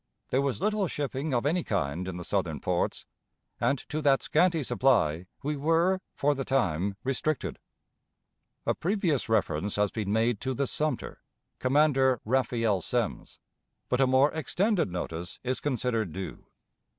There was little shipping of any kind in the Southern ports, and to that scanty supply we were, for the time, restricted. A previous reference has been made to the Sumter, Commander Raphael Semmes, but a more extended notice is considered due.